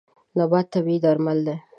نبات طبیعي درمل دی.